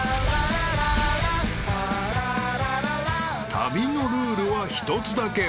［旅のルールは１つだけ］